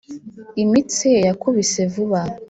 imitsi ye yakubise vuba